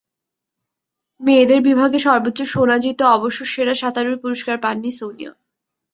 মেয়েদের বিভাগে সর্বোচ্চ সোনা জিতেও অবশ্য সেরা সাঁতারুর পুরস্কার পাননি সোনিয়া।